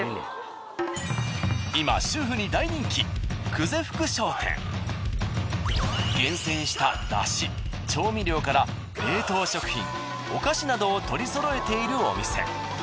今厳選しただし調味料から冷凍食品お菓子などを取り揃えているお店。